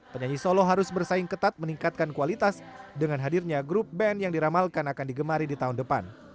penyanyi solo harus bersaing ketat meningkatkan kualitas dengan hadirnya grup band yang diramalkan akan digemari di tahun depan